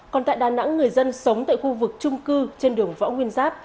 còn tại đà nẵng người dân sống tại khu vực trung cư trên đường võ nguyên giáp